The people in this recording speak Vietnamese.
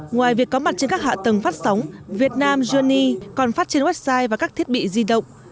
ngoài việc có mặt trên các hạ tầng phát sóng việt nam jenny còn phát trên website và các thiết bị di động